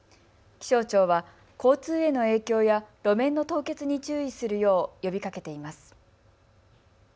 気象庁は交通への影響や路面の凍結に注意するよう呼びかけています。